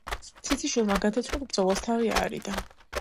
ციციშვილმა გადამწყვეტ ბრძოლას თავი აარიდა.